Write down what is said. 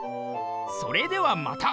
それではまた。